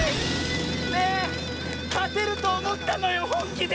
ねえかてるとおもったのよほんきで！